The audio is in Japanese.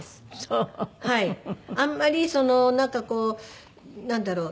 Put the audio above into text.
あんまりそのなんかこうなんだろう？